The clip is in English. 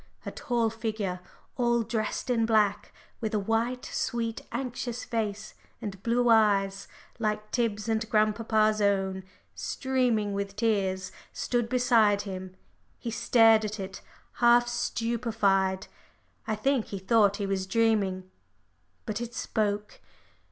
A tall figure, all dressed in black, with a white, sweet, anxious face and blue eyes, like Tib's and grandpapa's own, streaming with tears, stood beside him. He stared at it half stupefied. I think he thought he was dreaming. But it spoke.